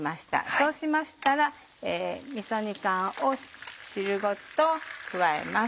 そうしましたらみそ煮缶を汁ごと加えます。